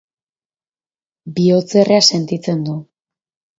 Bihotzerrea sentitzen du.